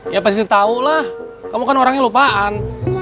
ya pasti tahu lah kamu kan orang yang lupaan